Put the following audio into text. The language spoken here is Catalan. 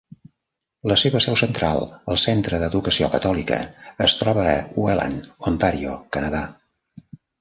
La seva seu central, el Centre d'Educació Catòlica, es troba a Welland, Ontario, Canadà.